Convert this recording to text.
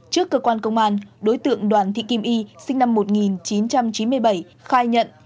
trước cơ quan công an đối tượng đoàn thị kim y sinh năm một nghìn chín trăm chín mươi bảy khai nhận